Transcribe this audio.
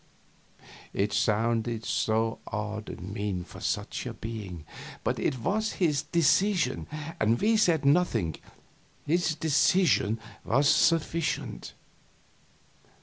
It sounded so odd and mean for such a being! But it was his decision, and we said nothing; his decision was sufficient.